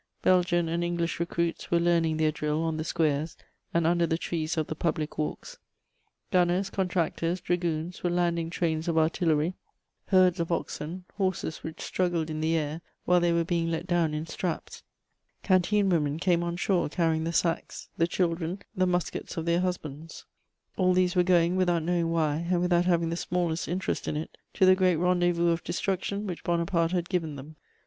Belgian and English recruits were learning their drill on the squares and under the trees of the public walks; gunners, contractors, dragoons were landing trains of artillery, herds of oxen, horses which struggled in the air while they were being let down in straps; canteen women came on shore carrying the sacks, the children, the muskets of their husbands: all these were going, without knowing why and without having the smallest interest in it, to the great rendez vous of destruction which Bonaparte had given them.